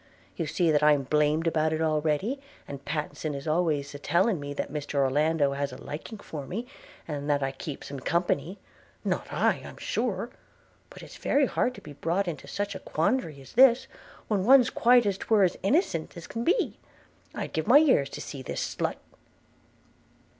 You see that I'm blamed about it already, and Pattenson is always a telling me that Mr Orlando has a liking for me, and that I keeps him company. – Not I, I'm sure! – but it's very hard to be brought into such a quandary as this, when one's quite as 'twere as innocent as can be. I'd give my ears to see this slut.'